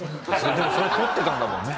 でもそれ捕ってたんだもんね。